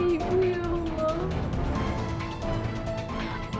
tunggulah ibu ya allah